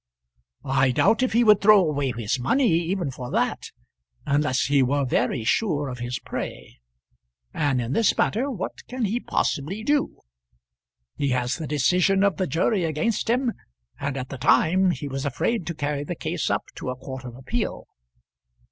"I doubt if he would throw away his money even for that, unless he were very sure of his prey. And in this matter, what can he possibly do? He has the decision of the jury against him, and at the time he was afraid to carry the case up to a court of appeal."